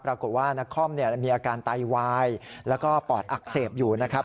ปรากฏว่านักคอมมีอาการไตวายแล้วก็ปอดอักเสบอยู่นะครับ